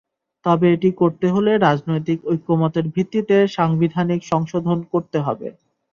তবে এটি করতে হলে রাজনৈতিক ঐকমত্যের ভিত্তিতে সংবিধান সংশোধন করতে হবে।